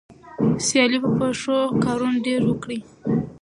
سیالي په ښو کارونو کې وکړئ.